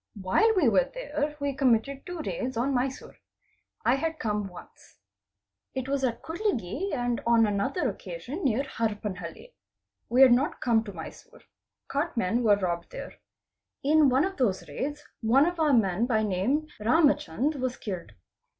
While we were there we committed two raids on Mysore. I had come once. It was at Kudlge and on another occasion near Harpanhalli. We had not come to Mysore. Cart "men were robbed there. In one of those raids one of our men by name "Ramachand was killed.